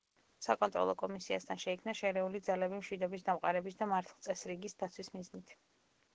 საკონტროლო კომისიასთან შეიქმნა შერეული ძალები მშვიდობის დამყარების და მართლწესრიგის დაცვის მიზნით.